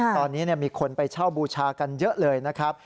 ตอนนี้มีคนไปเช่าบูชากันเยอะเลยนะครับ